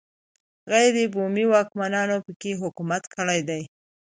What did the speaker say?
غیر بومي واکمنانو په کې حکومت کړی دی.